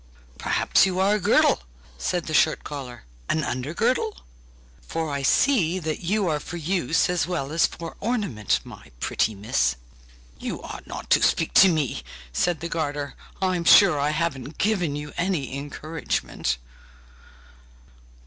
'Perhaps you are a girdle?' said the shirt collar, 'an under girdle? for I see that you are for use as well as for ornament, my pretty miss!' 'You ought not to speak to me!' said the garter' 'I'm sure I haven't given you any encouragement!